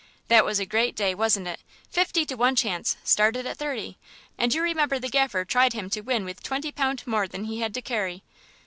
"That was a great day, wasn't it? Fifty to one chance, started at thirty; and you remember the Gaffer tried him to win with twenty pound more than he had to carry....